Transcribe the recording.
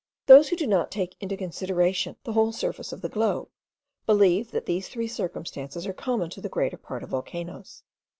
Those who do not take into consideration the whole surface of the globe, believe, that these three circumstances are common to the greater part of volcanoes.